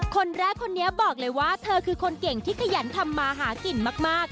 คนแรกคนนี้บอกเลยว่าเธอคือคนเก่งที่ขยันทำมาหากินมาก